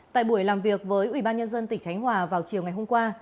tại buổi làm việc với ubnd tỉnh khánh hòa vào chiều ngày hôm qua